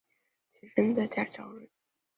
起身在家里找人